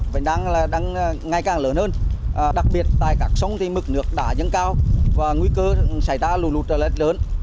vẫn đang ngày càng lớn hơn đặc biệt tại các sông thì mực nước đã dâng cao và nguy cơ xảy ra lù lù trở lại lớn